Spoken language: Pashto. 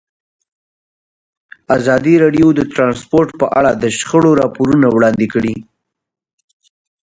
ازادي راډیو د ترانسپورټ په اړه د شخړو راپورونه وړاندې کړي.